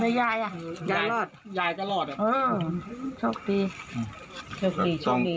ไอ้ยายอ่ะยายยายจะรอดอ่ะเออชอบดีชอบดีชอบดี